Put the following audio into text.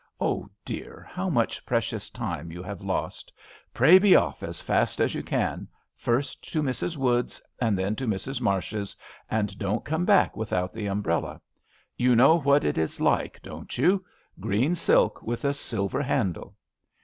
Oh, dear I how much precious time you have lost I Pray be o£f as fast as you can, first to Mrs. Wood's and then to Mrs. Marsh's, and don't come back without the umbrella. You know what it is like, don't you? Green silk with a silver handle."